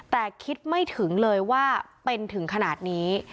แต่คิดไม่ถึงเลยว่าเป็นถึงขนาดนี้